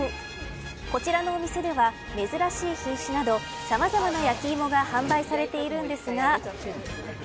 こちらのお店では珍しい品種などさまざまな焼き芋が販売されているんですが。